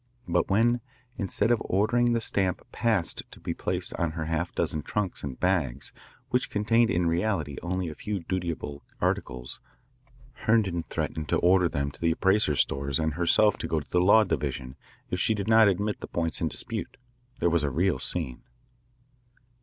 But when, instead of ordering the stamp "Passed" to be placed on her half dozen trunks and bags which contained in reality only a few dutiable articles, Herndon threatened to order them to the appraiser's stores and herself to go to the Law Division if she did not admit the points in dispute, there was a real scene.